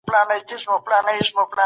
ډيجيټلي وسايل تمرين فرصت زياتوي.